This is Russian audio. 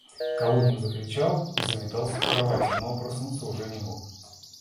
Калугин закричал и заметался в кровати, но проснуться уже не мог.